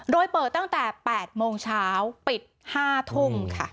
โดยเปิดตั้งแต่๘โมงเช้าปิด๕ทุ่มค่ะ